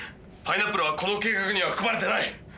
パイナップルはこの計画には含まれてない！